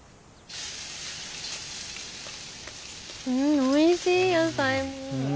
んおいしい野菜も。